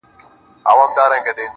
• و تاته د جنت حوري غلمان مبارک.